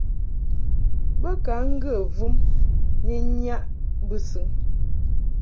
Bo ka ŋgə vum ni nnyaʼ bɨsɨŋ.